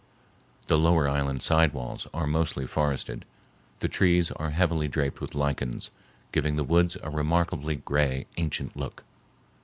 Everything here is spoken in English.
The lower island side walls are mostly forested. The trees are heavily draped with lichens, giving the woods a remarkably gray, ancient look.